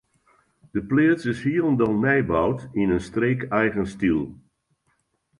De pleats is hielendal nij boud yn in streekeigen styl.